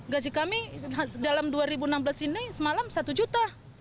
gaji kami dalam dua ribu enam belas ini semalam satu juta